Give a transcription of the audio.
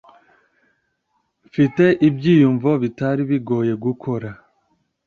Mfite ibyiyumvo bitari bigoye gukora